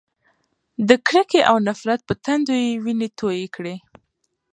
د کرکې او نفرت په تندو یې وینې تویې کړې.